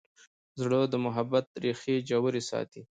زړه د محبت ریښې ژورې ساتي.